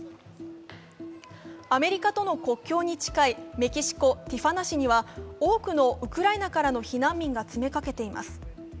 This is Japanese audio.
アメリカとの国境に近いメキシコ・ティファナ市には多くのウクライナからの避難民が詰めかけています。